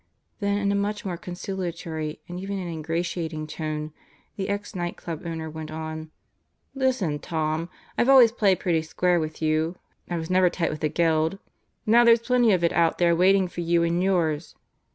Then in a much more conciliatory and even an ingratiating tone, the ex Nite Club owner went on: "Listen, Tom. I've always played pretty square with you. I was never tight with the geld. Now there's plenty of it out there waiting for you and yours.